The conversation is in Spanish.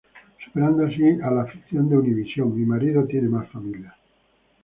Superando así a la ficción de Univision "Mi marido tiene más familia".